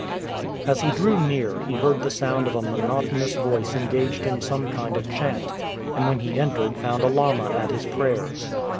As he drew near he heard the sound of a monotonous voice engaged in some kind of chant, and when he entered found a lama at his prayers.